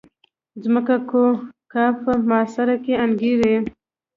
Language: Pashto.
ځمکه کوه قاف محاصره کې انګېري.